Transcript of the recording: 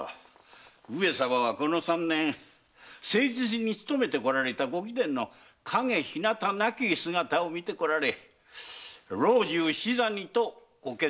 上様はこの三年誠実に務めてこられた御貴殿の陰ひなたなき姿を見て老中首座にとご決断なされた。